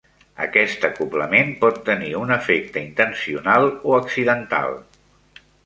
Aquest acoblament por tenir un efecte intencional o accidental.